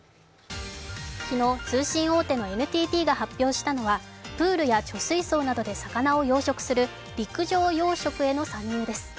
昨日通信大手のＮＴＴが発表したのはプールや貯水槽などで魚を養殖する陸上養殖への参入です。